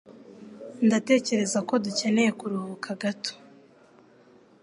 Ndatekereza ko dukeneye kuruhuka gato.